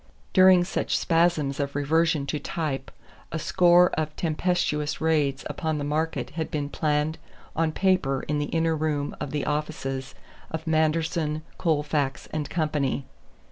During such spasms of reversion to type a score of tempestuous raids upon the market had been planned on paper in the inner room of the offices of Manderson, Colefax and Company.